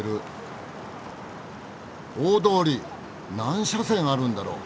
大通り何車線あるんだろう！？